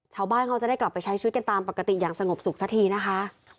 ชาวบ้านเขาจะได้กลับไปใช้ชีวิตกันตามปกติอย่างสงบสุขสักทีนะคะ